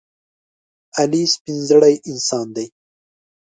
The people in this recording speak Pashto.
علي سپینزړی انسان دی.